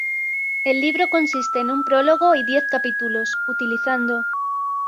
El libro consiste en un prólogo y diez capítulos, utilizando